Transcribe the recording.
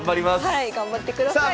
はい頑張ってください。